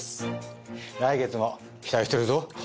来月も期待してるぞ。